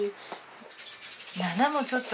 ７もちょっと。